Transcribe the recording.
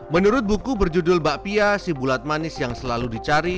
menurut buku berjudul bakpia si bulat manis yang selalu dicari